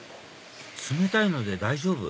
冷たいので大丈夫？